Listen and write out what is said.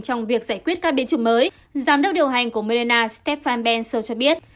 trong việc giải quyết các biến chủng mới giám đốc điều hành của moderna stefan bensel cho biết